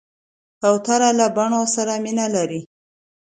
کوتره له بڼو سره مینه لري.